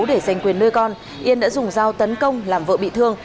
để giành quyền nuôi con yên đã dùng dao tấn công làm vợ bị thương